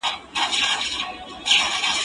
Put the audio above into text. ايا ته چای څښې.